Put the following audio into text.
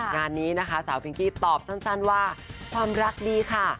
งานนี้นะคะสาวฟิงกี้ตอบสั้นว่าความรักดีค่ะ